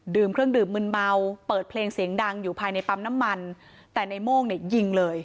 เครื่องดื่มมืนเมาเปิดเพลงเสียงดังอยู่ภายในปั๊มน้ำมันแต่ในโม่งเนี่ยยิงเลย